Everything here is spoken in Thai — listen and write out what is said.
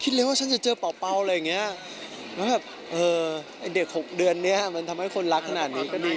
เด็ก๖เดือนเนี่ยมันทำให้คนรักขนาดนี้